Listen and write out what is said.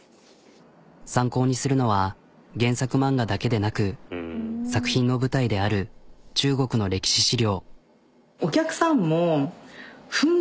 参考にするのは原作漫画だけでなく作品の舞台である中国の歴史資料。